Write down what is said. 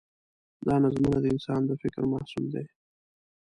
دا نظمونه د انسان د فکر محصول دي.